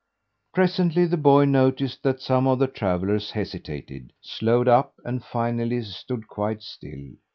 Presently the boy noticed that some of the travellers hesitated, slowed up, and finally stood quite still.